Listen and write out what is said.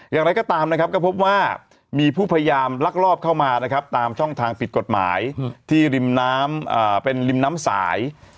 อย่างไรก็ตามนะครับก็พบว่ามีผู้พยายามลักลอบเข้ามานะครับตามช่องทางผิดกฎหมายที่ริมน้ำเป็นริมน้ำสาย